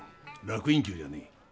楽隠居じゃねえ。